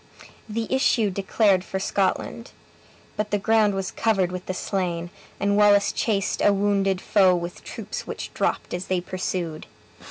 The issue declared for Scotland. But the ground was covered with the slain, and Wallace chased a wounded foe with troops which dropped as they pursued.